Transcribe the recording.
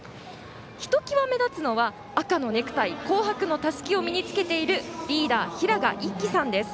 ひときわ目立つのが赤のネクタイ、紅白のたすきを身につけているリーダーです。